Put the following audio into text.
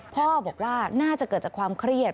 พ่อบอกว่าน่าจะเกิดจากความเครียด